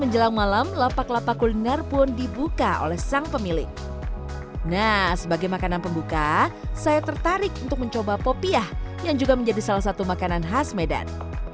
jalan semarang medan